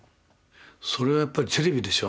それはやっぱりテレビでしょ。